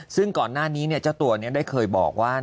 ซึ่งก่อนหน้านี้เจ้าตัวได้เคยบอกว่า